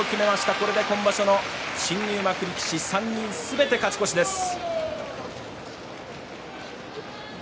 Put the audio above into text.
これで今場所の新入幕力士３人すべて勝ち越しです。